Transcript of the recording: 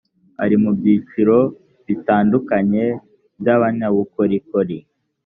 ari mu byiciro bitandukanye by abanyabukorikori